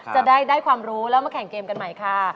จะได้ความรู้แล้วมาแข่งเกมกันใหม่ค่ะ